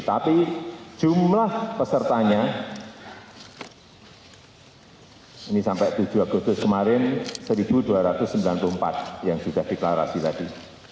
tapi jumlah pesertanya ini sampai tujuh agustus kemarin satu dua ratus sembilan puluh empat yang sudah deklarasi tadi